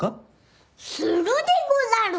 するでござる！